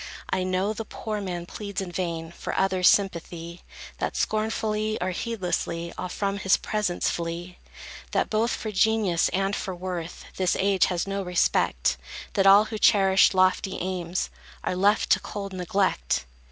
I know the poor man pleads in vain, For others' sympathy; That scornfully, or heedlessly, All from his presence flee; That both for genius and for worth, This age has no respect; That all who cherish lofty aims Are left to cold neglect.